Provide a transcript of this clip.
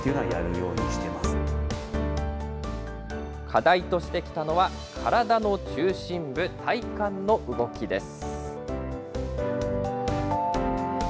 課題としてきたのは、体の中心部、体幹の動きです。